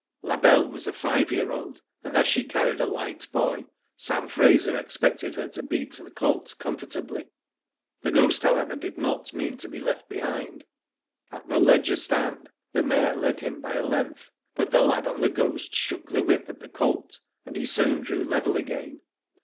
La Belle was a five year old, and as she carried a light boy, Sam Fraser expected her to beat the colt comfortably. The Ghost, however, did not mean to be left behind. At the Leger stand the mare led him by a length, but the lad on The Ghost shook the whip at the colt and he soon drew level again.